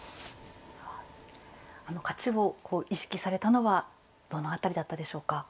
勝ちを意識されたのはどの辺りだったでしょうか？